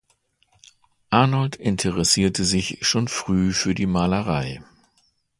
Arnold interessierte sich schon früh für die Malerei.